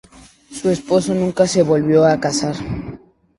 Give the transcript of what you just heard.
Su esposo nunca se volvió a casar.